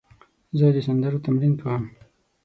زه د سندرو تمرین کوم.